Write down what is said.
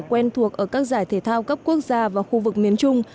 quen thuộc ở các giải thể thao cấp quốc gia và khu vực miền trung